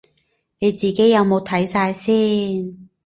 你自己有冇睇晒先